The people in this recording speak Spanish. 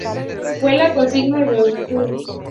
Fue la consigna de Beaufort.